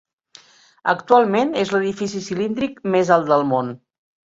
Actualment és l'edifici cilíndric més alt del món.